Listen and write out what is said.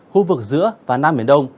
khu vực giữa và nam biển đông